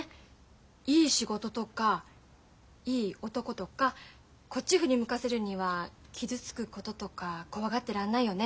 いい仕事とかいい男とかこっち振り向かせるには傷つくこととか怖がってらんないよね。